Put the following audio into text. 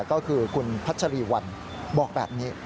ก็คือคุณพัชรีวัลบอกแบบนี้